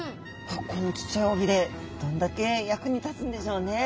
このちっちゃい尾鰭どんだけ役に立つんでしょうね。